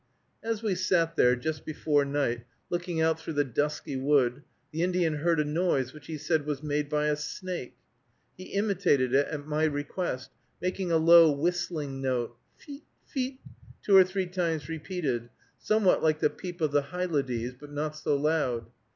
As we sat there, just before night, looking out through the dusky wood, the Indian heard a noise which he said was made by a snake. He imitated it at my request, making a low whistling note, pheet pheet, two or three times repeated, somewhat like the peep of the hylodes, but not so loud.